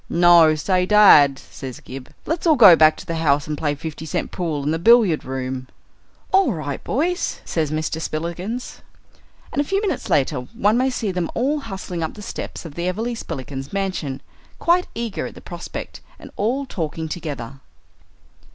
"No. Say, dad," says Gib, "let's all go back to the house and play five cent pool in the billiard room." "All right, boys," says Mr. Spillikins. And a few minutes later one may see them all hustling up the steps of the Everleigh Spillikins's mansion, quite eager at the prospect, and all talking together.